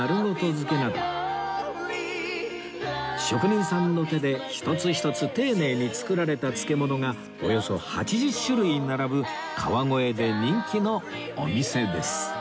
漬けなど職人さんの手で一つ一つ丁寧に作られた漬物がおよそ８０種類並ぶ川越で人気のお店です